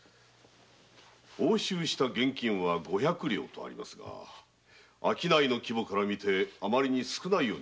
押収した現金は「五百両」とありますが商いの規模からみて余りに少ないかと。